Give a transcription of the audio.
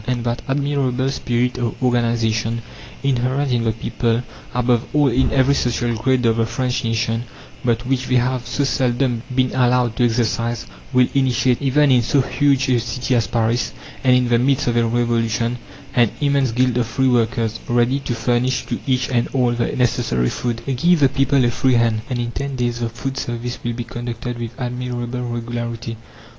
And that admirable spirit of organization inherent in the people, above all in every social grade of the French nation, but which they have so seldom been allowed to exercise, will initiate, even in so huge a city as Paris, and in the midst of a Revolution, an immense guild of free workers, ready to furnish to each and all the necessary food. Give the people a free hand, and in ten days the food service will be conducted with admirable regularity.